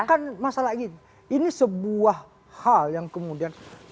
bukan masalah ini ini sebuah hal yang kemudian